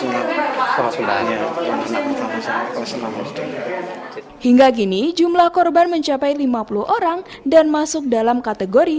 hai semuanya bisa menangis hingga kini jumlah korban mencapai lima puluh orang dan masuk dalam kategori